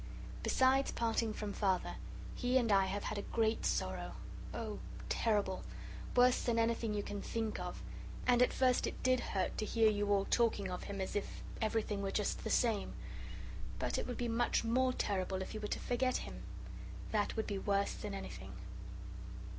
Besides parting from Father, he and I have had a great sorrow oh, terrible worse than anything you can think of, and at first it did hurt to hear you all talking of him as if everything were just the same. But it would be much more terrible if you were to forget him. That would be worse than anything."